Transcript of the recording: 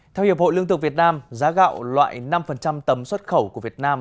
theo hiệp hội lương thực việt nam giá gạo loại năm tấm xuất khẩu của việt nam